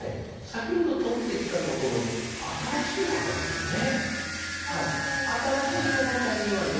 先ほど通ってきたところ新しい墓ですよね。